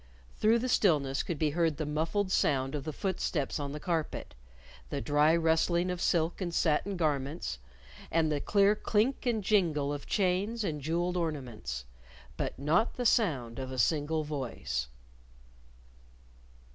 Through the stillness could be heard the muffled sound of the footsteps on the carpet, the dry rustling of silk and satin garments, and the clear clink and jingle of chains and jewelled ornaments, but not the sound of a single voice.